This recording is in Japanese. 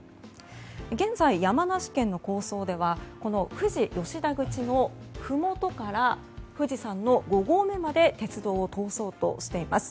現在、山梨県の構想では富士吉田口のふもとから富士山の５合目まで鉄道を通そうとしています。